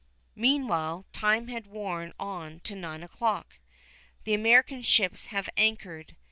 Meanwhile time has worn on to nine o'clock. The American ships have anchored.